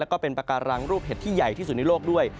แล้วก็เป็นปากการังรูปเห็ดที่ใหญ่ที่สุดในโลกด้วย